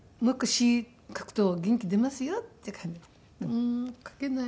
「うん書けない。